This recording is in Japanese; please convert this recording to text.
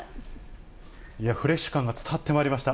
フレッシュ感が伝わってまいりました。